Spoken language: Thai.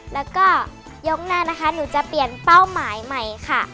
แล้วก็ยกหน้านะคะหนูจะเปลี่ยนเป้าหมายใหม่ค่ะ